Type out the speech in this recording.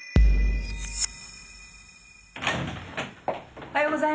おはようございます。